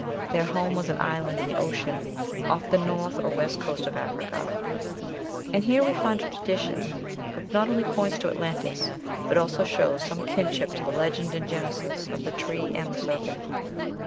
Their home was "an island in the ocean," Off the north or west coast of Africa. And here we find a tradition which not only points to Atlantis, but also shows some kinship to the legend in Genesis of the tree and the serpent.